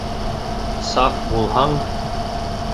Саф булһаң